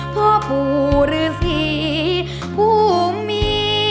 พ่อผู้รึสีผู้มี